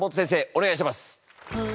お願いします。